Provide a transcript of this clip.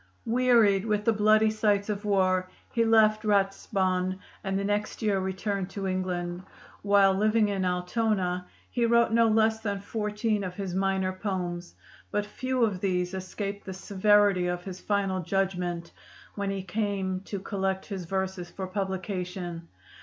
Wearied with the bloody sights of war, he left Ratisbon and the next year returned to England. While living at Altona he wrote no less than fourteen of his minor poems, but few of these escaped the severity of his final judgment when he came to collect his verses for publication.